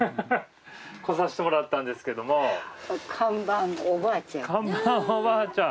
来させてもらったんですけども看板おばあちゃん